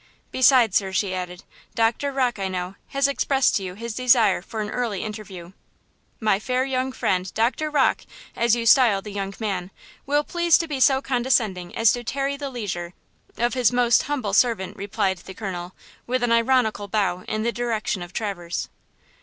"Besides, sir," she added, "Doctor Rocke, I know, has expressed to you his desire for an early interview." "My fair young friend, Dr. Rocke, as you style the young man, will please to be so condescending as to tarry the leisure of his most humble servant," replied the colonel, with an ironical bow in the direction of Traverse.